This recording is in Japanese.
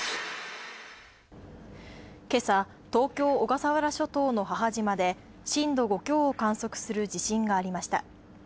けさ東京、小笠原諸島の母島で、震度５強を観測する地震がありました。